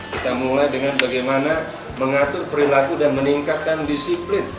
kita mulai dengan bagaimana mengatur perilaku dan meningkatkan disiplin